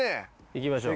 いきましょう。